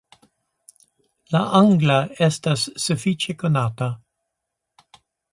La angla estas sufiĉe konata.